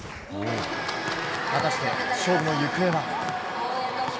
果たして勝負の行方は。